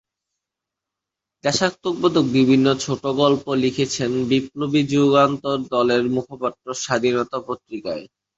দেশাত্মবোধক বিভিন্ন ছোটগল্প লিখেছেন বিপ্লবী যুগান্তর দলের মুখপত্র '"স্বাধীনতা"' পত্রিকায়।